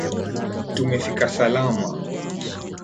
Tumefika salama